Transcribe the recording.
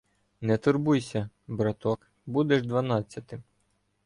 Не турбуйся, бра- ток, — будеш дванадцятим.